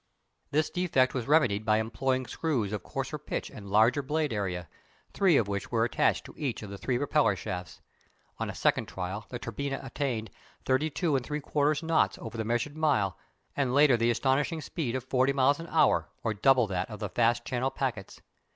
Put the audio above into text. This defect was remedied by employing screws of coarser pitch and larger blade area, three of which were attached to each of the three propeller shafts. On a second trial the Turbinia attained 32 3/4 knots over the "measured mile," and later the astonishing speed of forty miles an hour, or double that of the fast Channel packets.